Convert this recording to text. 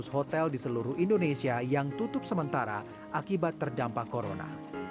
satu lima ratus hotel di seluruh indonesia yang tutup sementara akibat terdampak corona